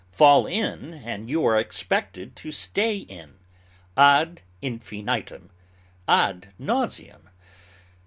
Fall in, and you are expected to stay in, ad infinitum, ad nauseam.